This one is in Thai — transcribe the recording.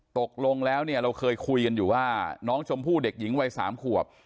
ตกลงแล้วเนี่ยเราเคยคุยกันอยู่ว่าน้องชมพู่เด็กหญิงวัย๓ขวบ